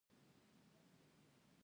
رباب د افغانستان ملي ساز دی.